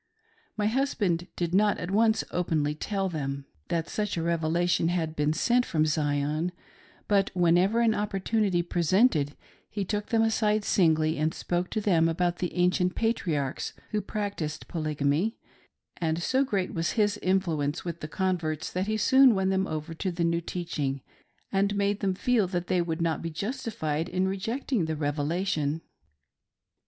My husband did not at once openly tell them that THE FIRST VICTIM, I45 such a" Revelation had been sent from Zion; but whenever an opportunity presented he took them aside singly and spoke to them about the ancient patriarchs who practiced Polygamy ; and so great was his influence with the converts that he soon won them over to the new teaching, and made them feel that they would not be justified in rejecting the Revelation.